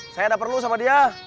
saya tidak perlu sama dia